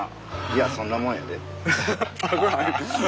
いやそんなもんやで。